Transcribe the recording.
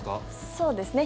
そうですね。